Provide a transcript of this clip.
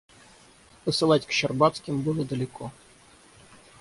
Посылать к Щербацким было далеко.